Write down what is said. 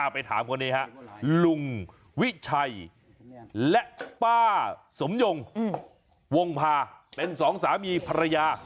ไปถามคนนี้ฮะลุงวิชัยและป้าสมยงวงภาเป็นสองสามีภรรยา